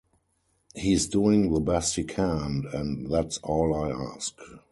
He's doing the best he can, and that's all I ask.